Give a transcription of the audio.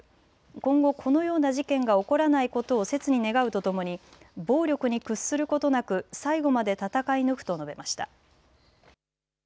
今後このような事件が起こらないことをせつに願うとともに暴力に屈することなく最後まで戦い抜くと述べました。